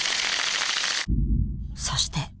そして。